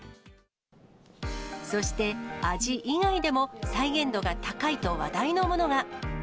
そして、味以外でも、再現度が高いと話題のものが。